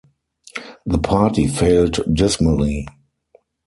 The party failed dismally.